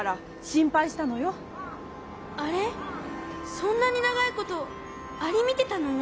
そんなにながいことアリみてたの？